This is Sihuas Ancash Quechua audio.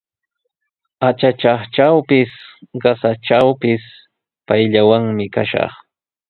Atraqtrawpis, qasatrawpis payllawanmi kashaq.